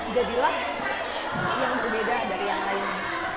jadilah yang berbeda dari yang lain